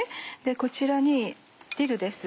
こちらにディルです。